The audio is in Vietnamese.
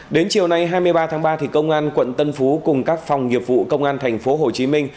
đến chiều nay hai mươi ba tháng ba công an quận tân phú cùng các phòng nghiệp vụ công an thành phố hồ chí minh